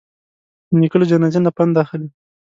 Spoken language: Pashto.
نیکه له جنازې نه پند اخلي.